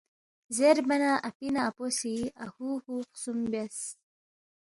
زیربا نہ اپی نہ اپو سی اہُو ھوُ خسُوم بیاس